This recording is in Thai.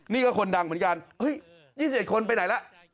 นี่ก็คนดังเหมือนกัน๒๑คนไปไหนล่ะ